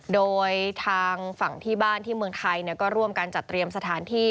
โดยทางฝั่งที่บ้านที่เมืองไทยก็ร่วมกันจัดเตรียมสถานที่